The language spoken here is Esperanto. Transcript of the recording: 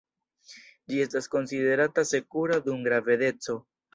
Ĝi estas konsiderata sekura dum gravedeco.